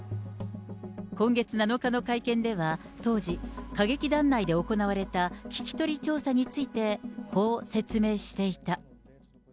今月７日の会見では、当時、歌劇団内で行われた聞き取り調査について、こう説明していた。